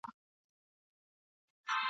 د داسي ښځو شمېر چي